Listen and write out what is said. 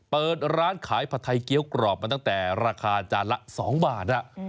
เปิดร้านขายผัดไทยเกี้ยวกรอบมาตั้งแต่ราคาจานละ๒บาท